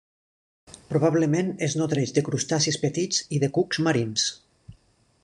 Probablement es nodreix de crustacis petits i de cucs marins.